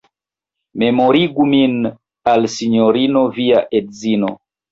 Memorigu min al Sinjorino via edzino!